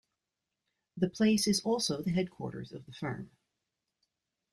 The place is also the headquarters of the firm.